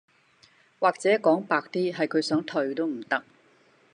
或者說白點是他想退也不能